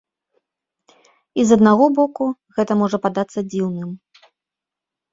І з аднаго боку, гэта можа падацца дзіўным.